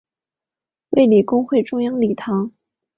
卫理公会中央礼堂。